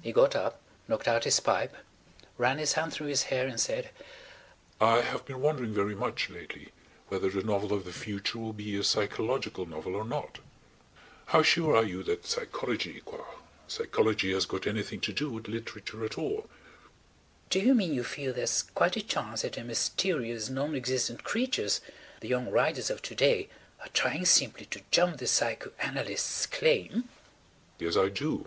He got up, knocked out his pipe, ran his hand through his hair, and said: "I have been wondering very much lately whether the novel of the future will be a psychological novel or not. How sure are you that psychology qua psychology has got anything to do with literature at all?" "Do you mean you feel there's quite a chance that the mysterious non existent creatures–the young writers of to day–are trying simply to jump the psycho analyst's claim?" "Yes, I do.